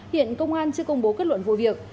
hiện công an chưa công bố kết luận vụ việc